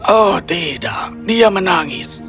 oh tidak dia menangis